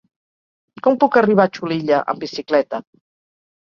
Com puc arribar a Xulilla amb bicicleta?